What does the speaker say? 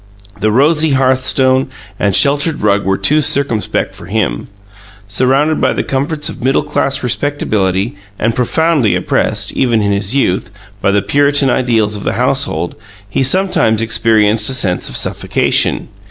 The rosy hearthstone and sheltered rug were too circumspect for him. Surrounded by the comforts of middle class respectability, and profoundly oppressed, even in his youth, by the Puritan ideals of the household, he sometimes experienced a sense of suffocation.